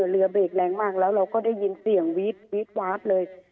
เรือเบรกแรงมากแล้วเราก็ได้ยินเสียงวีดวาบเลย